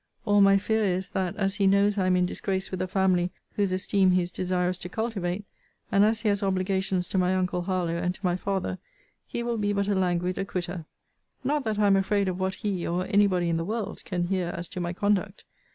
All my fear is, that, as he knows I am in disgrace with a family whose esteem he is desirous to cultivate; and as he has obligations to my uncle Harlowe and to my father; he will be but a languid acquitter not that I am afraid of what he, or any body in the world, can hear as to my conduct.